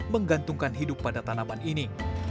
menggantungkan hidup pada tanaman ini